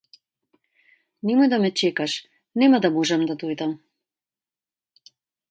Немој да ме чекаш нема да можам да дојдам.